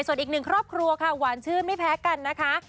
ส่วนอีกหนึ่งครอบครัวค่ะหวานชื่นไม่แพ้กันนะคะ